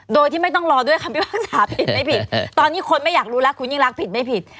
โดยที่ไม่ต้องรอด้วยคำพิพากษาผิดไม่ผิดตอนนี้คนไม่อยากรู้แล้วคุณยิ่งรักผิดไม่ผิด